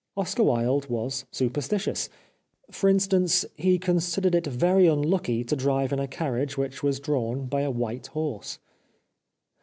Oscar Wilde was superstitious. For instance, he con sidered it very unlucky to drive in a carriage which was drawn by a white horse.